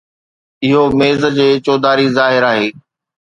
اهو ميز جي چوڌاري ظاهر آهي.